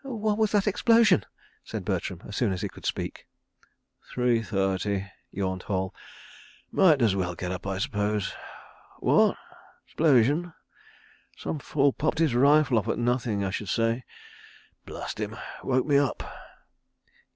"What was that explosion?" said Bertram as soon as he could speak. "Three thirty," yawned Hall. "Might as well get up, I s'pose. ... Wha'? ... 'Splosion? ... Some fool popped his rifle off at nothing, I sh'd say. ... Blast him! Woke me up.